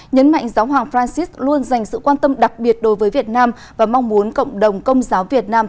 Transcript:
nhấn mạnh giáo hoàng francis luôn dành sự quan tâm đặc biệt đối với việt nam và mong muốn cộng đồng công giáo việt nam